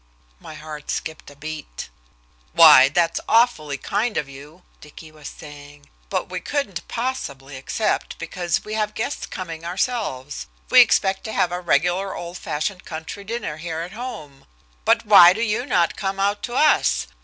My heart skipped a beat. "Why! that's awfully kind of you," Dicky was saying, "but we couldn't possibly accept, because we have guests coming ourselves. We expect to have a regular old fashioned country dinner here at home. But, why do you not come out to us?